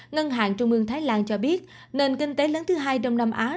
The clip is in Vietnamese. ngân hàng trung mương thái lan cho biết nền kinh tế lớn thứ hai đông nam á